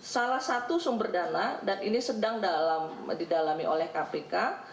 salah satu sumber dana dan ini sedang didalami oleh kpk